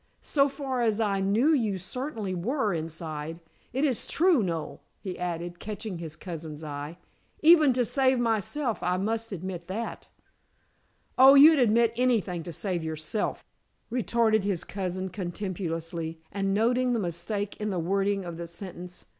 "So far as I knew you certainly were inside. It is true, Noel," he added, catching his cousin's eye. "Even to save myself I must admit that." "Oh, you'd admit anything to save yourself," retorted his cousin contemptuously, and noting the mistake in the wording of the sentence.